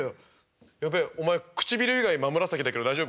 やべえお前唇以外真紫だけど大丈夫？